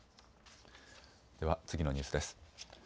では次のニュースです。